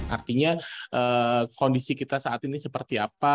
artinya kondisi kita saat ini seperti apa